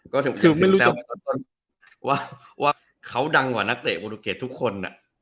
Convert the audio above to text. ก็ถึงแซมว่าเขาดังกว่านักเตะบุรุเกษทุกคน